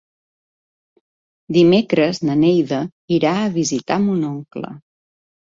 Dimecres na Neida irà a visitar mon oncle.